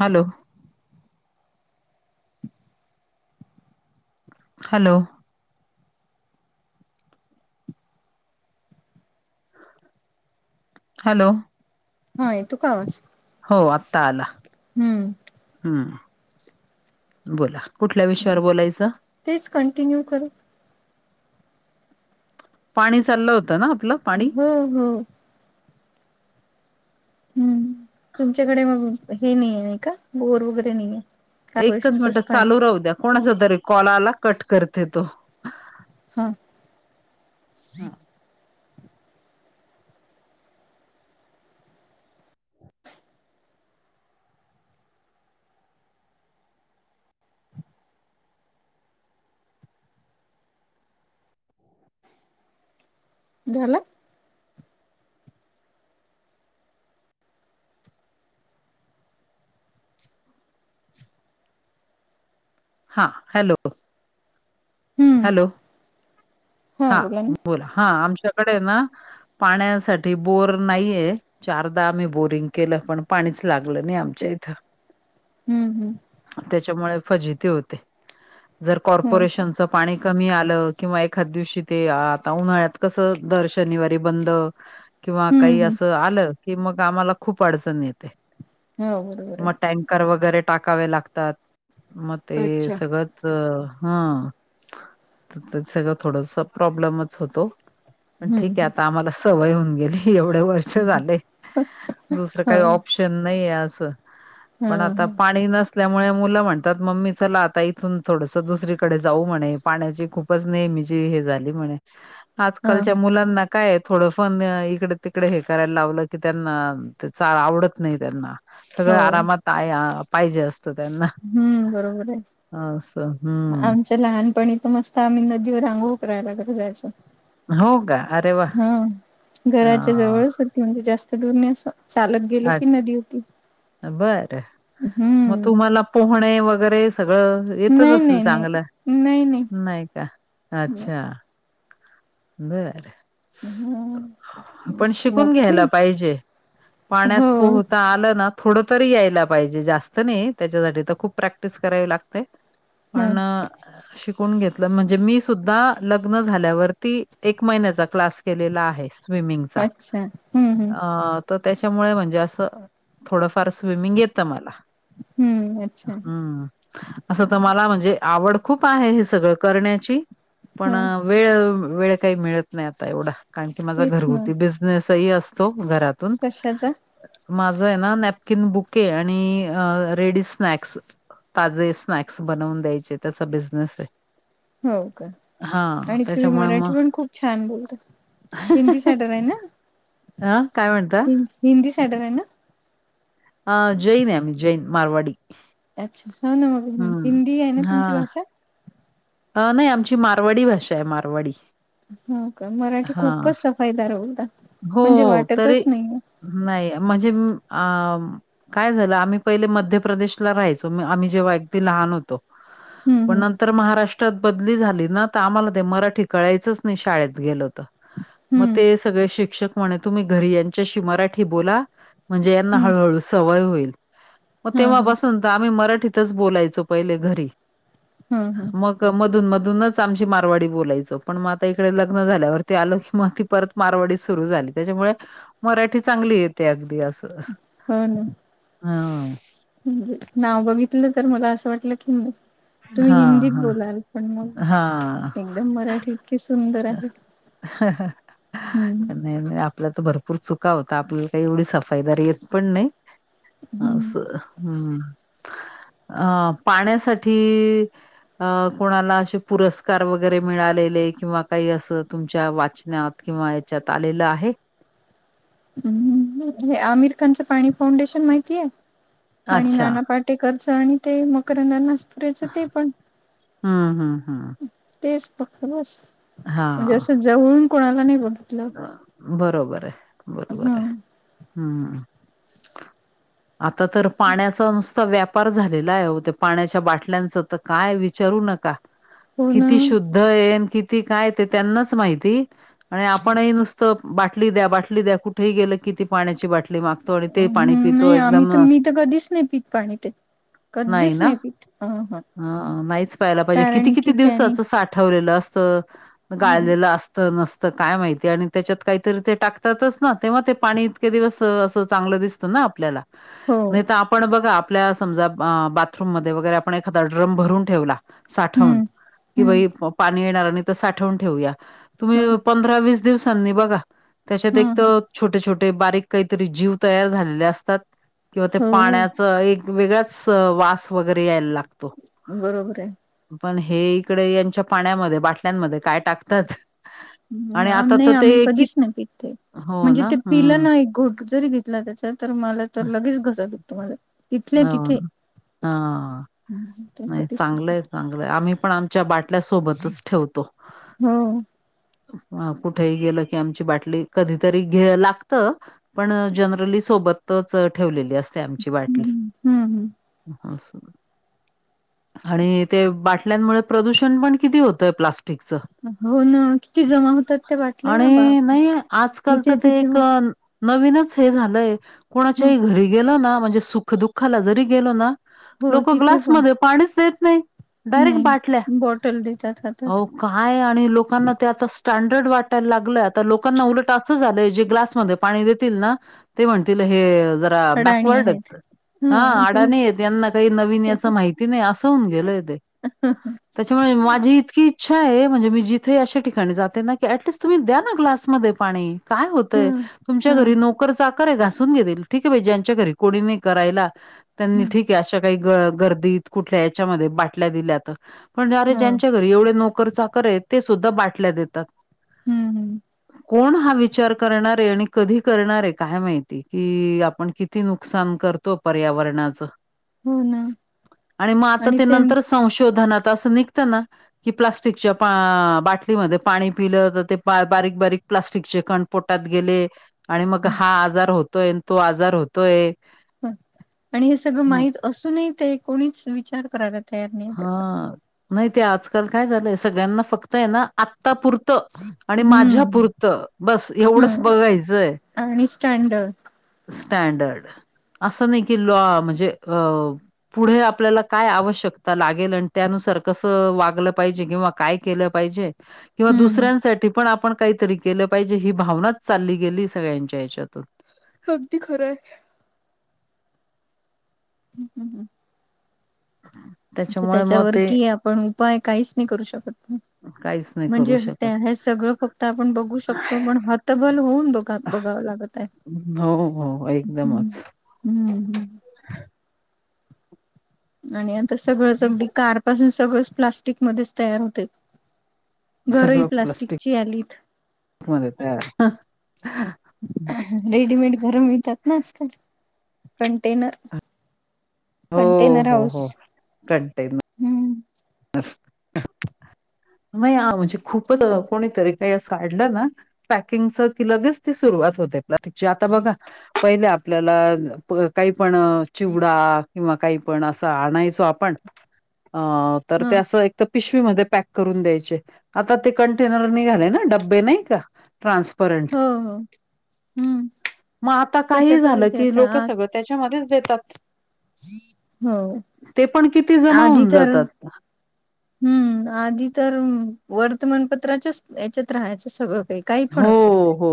Hello! Hello! Hello! हा त का. हो आत्ता आला हम्म. बोला कुठल्या विषयावर बोलायचं. तेच कंटिन्यू करू. पाणी चाललं होतं ना आपलं. पाणी हो हो. हम्म तुमच्याकडे मग हे नाही आहे नाही का बोर वगैरे नाही आहे. एकच मिनिटात चालू राहू द्या कोणाच तरी कॉलाला कट करते तो हम. झालं. हा.. हॅलो हम्म हॅलो. हा.. बोला हा आमच्याकडे ना, पाण्यासाठी बोर नाहीये. चारदा आम्ही बोरिंग केलं पण, पाणीच लागलं नाही आमच्या इथं. [unintelligible] तेच्यामुळे फजिती होते. जर हो का कॉर्पोरेशनचं पाणी कमी आलं, किंवा एखाद्या दिवशी ते आता उन्हाळ्यात. कसं, दर शनिवारी बंद. किंवा हम्म काही हम्म असं आलं की, मग आम्हाला खूप अडचण येते. हो बरोबर मग टँकर वगैरे टाकावे लागतात, मग आहे ते अच्छा सगळंच तर हा.. तर ते सगळंच थोडंसं प्रॉब्लेमच होतो. पण ठीक आहे. हम्म आता आम्हाला सवय होऊन गेली, एवढे वर्ष झाले दुसरं हो काही ऑप्शन नयी असं, हा पण आता ह पाणी नसल्यामुळे मुलं म्हणतात. मम्मी चला आता इथून थोडंसं दुसरीकडे जाऊ म्हणे, पाण्याची खूपच नेहमी ची हे झाली म्हणे. आजकालच्या ह मुलांना, काय थोडंफार इकडे तिकडे हे करायला लावलं की, त्यांना ते चा आवडत नाही त्यांना. हो सगळं आरामात पाहिजे, असतं त्यांना. हम्म बरोबर ये. हां, अस हम्म. लहानपणी तर मस्त आम्ही नदीवर अंघोळ करायला जायचो. हो का अरे वा हां. घराच्या हा जवळच होती म्हणजे, जास्त दूर नाही असं. चालतं गेलो की अच्छा नदी होती, बरं मग हम्म.. तुम्हाला पोहणे वगैरे सगळं येतच नाही असेल, नाही चांगलं नाही नाही नाही. नयी. अच्छा बरं. हा पण मस्त शिकून मोठी घ्यायला पाहिजे. पाण्यात हो पोहता आलं ना. थोड तरी यायला पाहिजे, जास्त नाही तेच्यासाठी तर खूप प्रॅक्टिस करावी लागते. हा पण, शिकून घेतलं म्हणजे, मी सुद्धा लग्न झाल्यावरती एक महिन्याचा क्लास केलेला आहे. स्विमिंगचा अच्छा हम्म हम्म अं.. तेच्यामुळे म्हणजे असं, थोडंफार स्विमिंग येत मला. हम्म अच्छा हम्म.. असं तर मला म्हणजे आवड खूप आहे. हे सगळं करण्याची पण, हा वेळ वेळ काही मिळत नाही आता, एवढा कारण की माझा तेच ना घरगुती बिझने सही असतो घरातून. कशाचा? माझं आहे ना नॅपकिन बुके, आणि रेडी स्नॅक्स. ताजे स्नॅक्स बनवून द्यायचे, त्याचा बिझनेस आहे. हो का, हा आणि तुम्ही त्याच्यामुळे मराठी मग पण खूप छान बोलता. हिंदी सेंटर आहे ना. अं काय म्हणता? हि- हिंदी सेंटर आहे ना? अ जैन आहे, आम्ही जैन मारवाडी. अच्छा. हो ना, मग हम्म. हिंदी आहे ना, तुमची भाषा. अं.. नाही आमची मारवाडी भाषा आहे मारवाडी. हो का, मराठी हा. खूपच सफायदार बोलता हो म्हणजे, वाटतच तरी नाही. नाही म्हणजे अं... काय झालं आम्ही पहिले मध्य प्रदेशला राहायचो, आम्ही जेव्हा अगदी लहान होतो. हं, पण हं, नंतर महाराष्ट्र त बदली झाली ना तर आम्हाला ते मराठी कळायचंच नाही शाळेत गेलं तर. मग हं, ते सगळे शिक्षक म्हणे तुम्ही घरी यांच्याशी मराठी बोला, म्हणजे यांना हं, हळूहळू सवय होईल. मग हं, तेंव्हापासून तर आम्ही मराठीतच बोलायचो पहिले घरी. हं, हं, हं. मग मधून मधूनच आमची मारवाडी बोलायचो पण मग आता इकडे लग्न झाल्यावरती आल की मग ती परत मारवाडीच सुरू झाली त्याच्यामुळे मराठी चांगली येते अगदी असं. हो ना. हां. म्हजे नाव बघितलं तर मला असं वाटलं की नाही तुम्ही हिंदीत हा बोलाल पण मग हा हा एकदम मराठी इतकी सुंदर आहे हम्म. नाही नाही आपल्या तर भरपूर चुका होता आपल्याला काही एवढी सफाईदार येत पण नाही. हं, असं हम्म अ पाण्यासाठी अ कोणाला असे पुरस्कार वगैरे मिळालेले किंवा काही असं तुमच्या वाचनात किंवा याच्यात आलेलं आहे. अं हे आमिर खानचं पाणी फाउंडेशन माहितीय. आणि अच्छा नानापाटे करचं, आणि ते मकरंदा अनासपुरे यांचं ते पण. हं, हं, हं. तेच फक्त बस म्हणजे असं जवळून कोणाला नाही बघितलं. अ बरोबर आहे बरोबर आहे हं. हम्म. आता तर पाण्याचा नुस व्यापार झालेला आहे होते पाण्याच्या बाटल्यांचं तर काय विचारू नका. हो ना. किती शुद्धय न किती काय ते त्यांनाच माहिती आणि आप आपणही नुसतं बाटली द्या, बाटली द्या, कुठेही गेलं कि ती पाण्याची बाटली माग अं म नाही आम्ही तर मी तर कधीच नाही पीत पाणी ते. कधीच नाही पित. अह हा नाहीच पाहायला पाहिजे. किती किती त्यानी दिवसाचं साठवलेलं असत. हं, गाळलेलं असत नसत काय माहिती. ते आणि त्याच्यात काहीतरी ते टाकतातच ना तेव्हा ते पाणी इतके दिवस असं चांगलं दिसतं ना आपल्याला, हो नाही तर आपण बघा आपल्या समजा बाथरूम मध्ये वगैरे आपण एखादा ड्रम भरून ठेवला. साठवून हम्म कि हम्म बाई पाणी येणार आणि साठवून ठेवुया ह तुम्ही पंधरा वीस दिवसांनी बघा ह त्याच्यात एक ह तर छोटे छोटे बारीक काहीतरी जीव तयार झालेले असतात. किंवा ते हो हो पाण्याच एक वेगळाच वास वगैरे यायला लागतो. बरोबरय. पण हे इकडे यांच्या पाण्यामध्ये बाटल्यांमध्ये काय टाकतात? आणि आता तर नाही आम्ही ते कि कधीच नाही पितते हो म्हणजे ना, ते पिलं हं. ना एक घोट जरी घे त्याच तर मला तर लगेच घस दुखतो माझ हाव हा. हं, ते नाही कधीच चांगलंय पित चांगलंय आम्ही पण आमच्या बाटल्यासोबतच ठेवतो. हम्म कुठेही गेलं कि आमची बाटली कधीतरी घे लागत अ पण जनरली सोबतच ठेवलेली अस आमची बाटली. हम्म हम्म आणि ते बाटल्यांमुळे प्रदूषण पण किती होतंय प्लास्टिकचं. हो ना किती जमा होतात त्या बाटल्या आणि बापरे नाही आजकाल तर इथे ते तिथे ह एक, नवीनच हे झालंय कोणाच्याही घरी गेल ना म्हणजे सुख दुःखाला जरी गेलो ना, हो लोक तिथे पण ग्लासमध्येध्ये पाणीच देत नाही डायरेक्ट नाही बाटल्या. बॉटल देतात हातात काय आणि लोकांना ते आता स्टँडर्ड वाटायला लागलंय आता लोकांना उलट असं झालंय जे ग्लासमध्ये पाणी देतील ना ते म्हणतील, अडाणी बॅकवर्ड आहेत हा ह अदानी आहेत माहिती नाही अस होन गेलय ते त्याच्यामुळे माझी इतकी इच्छा आहे म्हणजे मी जिथे अशा ठिकाणी जाते ना की टलीस्ट तुम्ही द्या ना क्लास काय ह होतय तुमच्या ह घरी कर चाकर आहे घासून घे ठीक आहे ज्यांच्या घरी कोणी नाही करायला त्यांनी हम्म ठीके अशा काही ग गर्दी कुठल्या याच्यामध्ये बाटल्या दिल्याणे हा ज्यांच्या एवढे नोकर चाकर आहेत ते सुद्धा बाटल्या देतात हम्म हम्म कोण हा विचार करणारे आणि कधी करणारे काय माहिती की आपण किती नुकसान करत तो पर्यावरणाचा हो ना आणि मग आता ते नंतर संशोधनात असं निघतं ना की प्लास्टिकच्या बाटलीमध्ये पाणी पिलं तर ते बारीक बारीक प्लास्टिकचे क पोटात गेले आणि मग हा आजार होतोय तो आजार होत तो एक आणि हे सगळं माहत असूनही ते कोणीच विचार कराव हा नाही ते आजकाल काय झालंय सगळ्यांना फक्त आहे ना आत्ता पुुरतं आणि माझ्या हम्म पुुरतं बस एवढंच हम्म बघायचंय आणि स्टँडर्ड स्टँडर्ड असं नाही की लॉ म्हणजे अ पुढे आपल्याला काय आवश्यक लागेल आणि त्यानुसार कसं वागलं पाहिजे किंवा काय केलं पाहिजे किंवा हम्म हम्म दुसऱ्यांसाठी पण आपण काहीतरी केलं पाहिजे ही भावनाच चालली गेली सगळ्यांच्या हच्यातून अगदी खरं आहे हं, हं, हं. ह तर त्याच्यावर की आपण उपाय काहीच नाही करू शकत नाही काहीच नाही करू म्हणजे शकत. त्या हे सगळं फक्त आपण बघू शकतो पण हतबल होऊन बघ बघावं लागत आहे हो हो हम्म एकदमच हम्म हम् आणि आता सगळंच अगदी कार पासून सगळंच प्लास्टिक मध्येच तयार होते घरही सगळं प्लास्टिक प्लास्टिकची आलीत मध्ये येत आहे रेडीमेड गरम मिळतात ना आजकाल कंटेनर हो कंटेनर हो हाऊस हो कंटेन हम्म नाही ह म्हणजे खूपच कोणीतरी काही असडलं ना पॅकिंगच की लगेच ती सुरुवात होते प्लास्टिकची आता बघा पहिले आपल्याला काही पण चिवडा किंवा काही पण असं आणायचो पणअ हा ते अस पिशवीमध्ये पॅक करून द्यायचे आ ते कंटेनर नगालयन डबे नहीका टारजपरडं हो हो हम्म मग आता काही त्याच्यातच झालं येते की आता लोक आ सगळं त्याच्यामध्येच देतात हो ते पण किती जमा आधी होऊन तर जातात हम्म आधी तर वर्तमानपत्राच्याच याच्यात राहायचं सगळं पैकी हो हो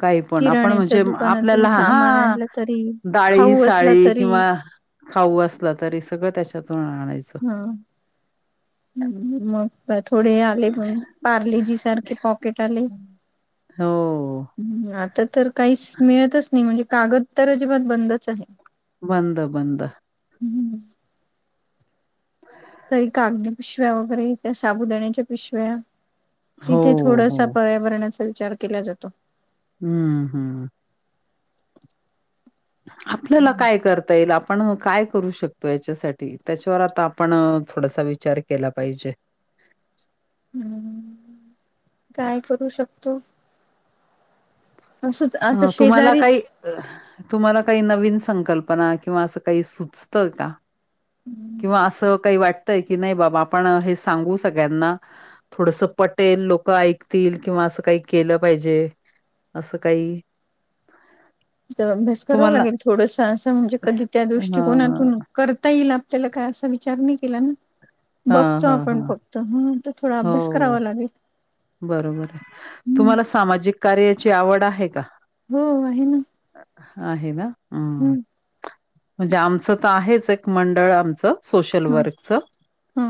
काही पण आपण किराण्याच्या म्हणजे दुकानातून आपल्याला हा सामान आणलं तरी डाळी खाऊ असला साळी तरी किंवा खाऊ असलं तरी सगळं त्याच्यातून आणायचं हा हम्म मग थोडे आले प पार्लेजी सारखे पॉकेट आले हं. हो. हम् आता तर काहीच मिळतच नाही म्हणजे कागद तर अजिबात बंदच आहे बंद बंद हम हम तरी कागद पिशव्या वगैरे, त्या साबुदाण्याच्या पिशव्या हो, तिथे थोडसा हो. पर्यावरणाचा विचार केला जातो. हम्म, हम्, आपल्याला काय करता येईल? आप आपण काय करू शकतो याच्यासाठी, त्याच्यावर आता आपण थोडासा विचार केला पाहिजे. हम्, काय करू शकतो? असंच आता अ तुम्हाला शेजारी काही तुम्हाला काही नवीन संकल्पना, किंवा असं काही सुचतं का? किंवा, असं काही वाटतय की नाही बाबा, आपण हे सांगू सगळ्यांना. थोडस पटेल लोकं ऐकतील, किंवा असं काही केलं पाहिजे असं. काही, त अभ्यास करावा तुम्हाला लागेल थोडस, असं म्हणजे कधी त्या हां, दृष्टीकोनातून करता येईल, आप त्याला काय असा विचार नाही केलाना, हां, बघतो हां, आपन हां. फ क्त तर थोडा अभ्यास करावा हो, लागेल, बरोबर, हम्म तुम्हाला सामाजिक कार्याची आवड आहे का? हो, आहे ना. आहेना अ, हम्म म्हणजे, आमचं तर आहेच एक मंडळ आमचं, सोशल हा वर्कच, हा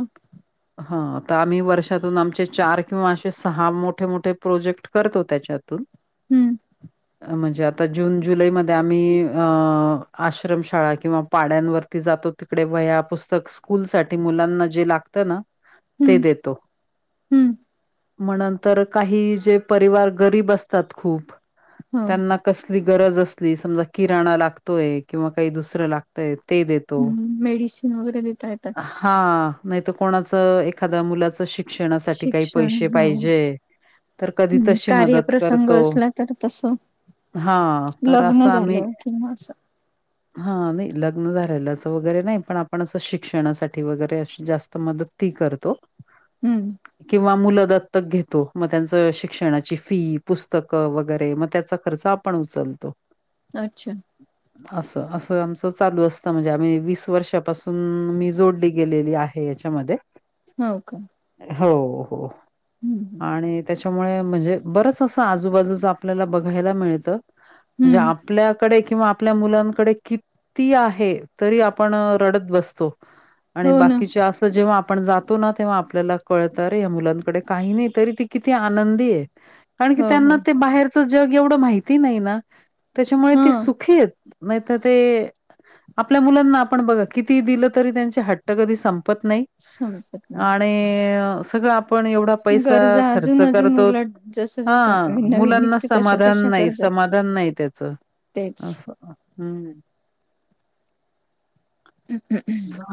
हा आता आम्ही वर्षातून आमचे चार किंवा असे, सहा, मोठेमोठे प्रोजेक्ट करतो त्याच्यातून. हम्म, अ, म्हणजे, आता जून जुलैमध्ये आम्ही आश्रमशाळा किंवा, पाड्यांवरती जातो. तिकडे, वया पुस्तक स्कूल साठी मुलांना जे लागत ना, ते हम्म देतो. हम्म, मनंतर काही, जे परिवार गरीब असतात खूप, हो त्यांना कसली गरज असली, समजा किराणा लागतोय किंवा काही दुसरं लागतय, ते देत. हम्म, मेडिसिन वगैरे देता येतात. हा, नाहीतर कोणाचं एखाद्या मुलाच शिक्षणासाठी काही पैसे पाहिजे. तर कधी हम, तशी मदत कार्यप्रसंग करतो. असला तर तस, हां, तर लग्न झालं, किंवा अस हा, नाही लग्न झालेलंच वगैरे नाही, पणआपण असं शिक्षणासाठी वगैरे अशी जास्त, मदत ती करतो, हम्म, किंवा मुलं दत्तक घेतो, मग त्यांचं शिक्षणाची फी, पुस्तकं, वगैरे मग त्याचा खर्च आपण उचलतो, अच्छा, असं, असं आमचं चालू असतं. म्हणजे आम्ही वीस वर्षापासून मी, जोडली गेलेली आहे याच्यामध्ये. हो, का हो, हो हम्म हम्म आणि त्याच्या त्यामुळे म्हणजे बरच असं, आजूबाजूच आपल्याला बघायला मिळतं. म्हणजे, हम्म. आपल्याकडे किंवा आपल्या मुलांकडे किती आहे, तरी आपण रडत बसतो. आणि हो ना बाकीचे असं जेव्हा आपण जातोना तेव्हा आपल्याला कळतात. आरे मुलांकडे काही नाही, तरी किती आनंदी कारणकि हो हो त्याना ते बाहेर जग एवढं माहिती नाहीना, त्याच्यामुळे हा ते सुखी आहेत. नाही तर ते आपल्या मुलांना आपण बघा, किती दिलं तरी त्यांचे हट्ट कधी संपत नाही. संपत नाही आणि, सगळं आपण एवढा पैसा गरजा खर्च अजून अजून करतो, उलट जस हा जस नवीन मुलांना निघते तशा समाधान तशा नाही, गरजा समाधान नाही. त्याच, तेच असं हम्, [unintelligible]